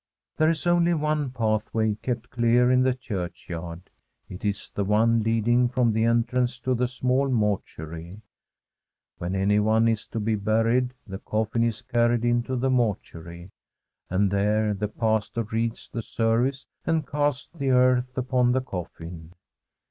There is only one pathway kept clear in the churchyard. It is the one leading from the en trance to the small mortuary. When anyone is to be buried the coffin is carried into the mortu ary, and there the pastor reads the service and casts the earth upon the coffin.